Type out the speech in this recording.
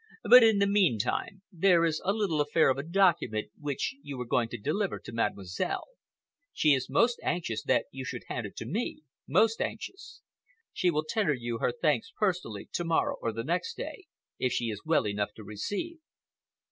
But in the meantime, there is a little affair of a document which you were going to deliver to Mademoiselle. She is most anxious that you should hand it to me—most anxious. She will tender you her thanks personally, tomorrow or the next day, if she is well enough to receive."